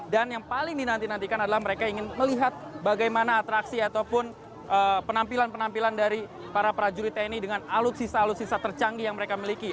yang paling dinantikan adalah mereka ingin melihat bagaimana atraksi ataupun penampilan penampilan dari para prajurit tni dengan alutsisa alutsisa tercanggih yang mereka miliki